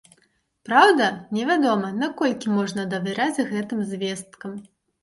Праўда, невядома, наколькі можна давяраць гэтым звесткам.